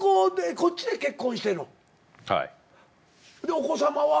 お子さまは？